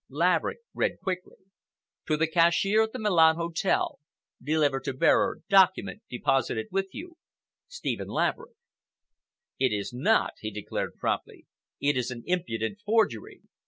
Laverick read quickly,— To the Cashier at the Milan Hotel,—Deliver to bearer document deposited with you. STEPHEN LAVERICK. "It is not," he declared promptly. "It is an impudent forgery.